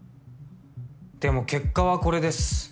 でも結果はこれです。